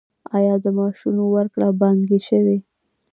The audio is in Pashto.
آیا د معاشونو ورکړه بانکي شوې؟